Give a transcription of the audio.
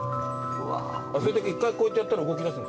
それって一回こうやってやったら動きだすんですか？